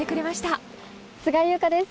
菅井友香です。